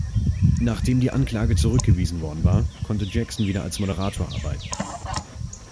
Nachdem die Anklage zurückgewiesen worden war, konnte Jackson wieder als Moderator arbeiten.